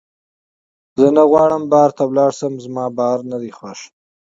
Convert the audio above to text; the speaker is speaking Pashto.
زه نه غواړم خارج ته لاړ شم زما خارج نه دی خوښ